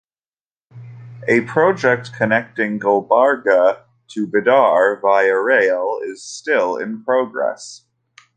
A project connecting Gulbarga to Bidar via rail is still in progress.